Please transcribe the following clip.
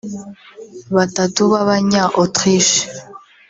batatu b’Abanya – Autriche